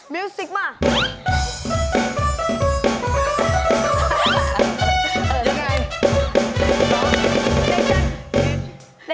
มิวซิกไม่